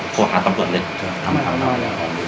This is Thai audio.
ก็อาจหาตำรวจเลย